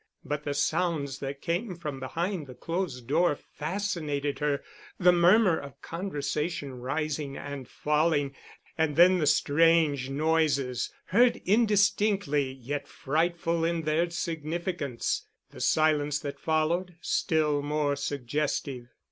But the sounds that came from behind the closed door fascinated her, the murmur of conversation rising and falling, and then the strange noises, heard indistinctly yet frightful in their significance. The silence that followed, still more suggestive.